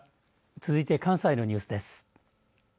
続いて関西のニュースです。